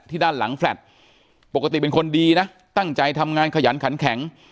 ด้านหลังแฟลต์ปกติเป็นคนดีนะตั้งใจทำงานขยันขันแข็ง